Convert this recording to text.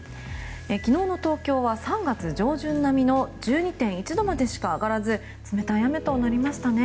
昨日の東京は３月上旬並みの１２．１度までしか上がらず冷たい雨となりましたね。